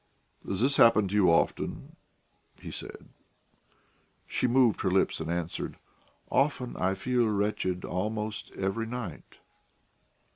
"Does this happen to you often?" he said. She moved her lips, and answered: "Often, I feel wretched almost every night."